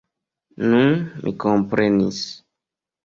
Nun, mi komprenis.